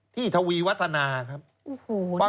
ที่ทวีวัตนาครับ